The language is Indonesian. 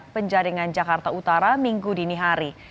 penjaringan jakarta utara minggu dini hari